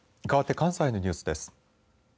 かわって関西のニュースです。